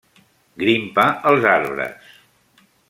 Grimpa els arbres.